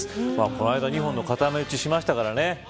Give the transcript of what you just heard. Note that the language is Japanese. この間２本の固め打ちしましたからね。